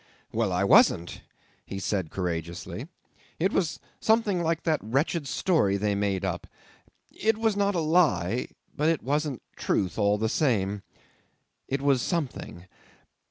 '"Well, I wasn't," he said courageously. "It was something like that wretched story they made up. It was not a lie but it wasn't truth all the same. It was something.